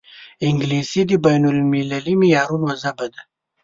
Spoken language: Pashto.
انګلیسي د بین المللي معیارونو ژبه ده